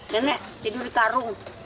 nenek tidur di karung